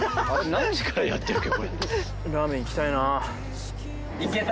何時からやってるっけ？